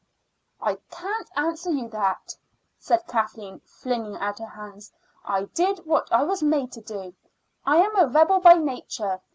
"I can't answer you that," said Kathleen, flinging out her hands. "I did what I was made to do. I am a rebel by nature.